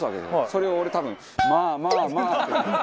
それを俺多分「まあまあまあ」って。